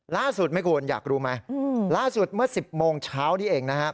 ล่าสุดไหมคุณอยากรู้ไหมล่าสุดเมื่อ๑๐โมงเช้านี้เองนะครับ